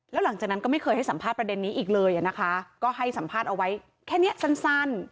แล้วหลังจากนั้นก็ไม่เคยให้สัมภาษณ์ประเด็นนี้อีกเลยนะคะก็ให้สัมภาษณ์เอาไว้แค่นี้สั้น